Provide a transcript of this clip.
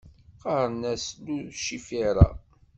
Qqaren-as Lucifera